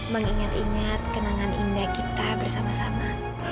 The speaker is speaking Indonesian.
mengingat ingat kenangan indah kita bersama sama